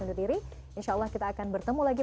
undur diri insya allah kita akan bertemu lagi